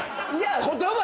⁉言葉